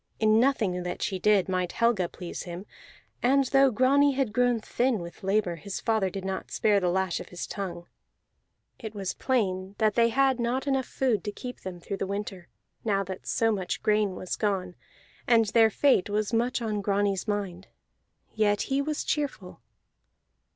In nothing that she did might Helga please him; and though Grani had grown thin with labor, his father did not spare the lash of his tongue. It was plain that they had not enough food to keep them through the winter, now that so much grain was gone, and their fate was much on Grani's mind; yet he was cheerful.